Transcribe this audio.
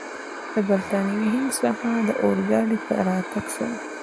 له برټانوي هند څخه د اورګاډي په راتګ سره.